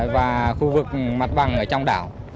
và khu vực mặt bằng ở trong đảo